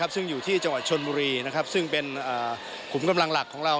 ซึ่งอยู่ที่จังหวัดชนบุรีซึ่งเป็นขุมกำลังหลักของเรา